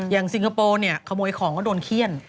สิงคโปร์เนี่ยขโมยของก็โดนเขี้ยน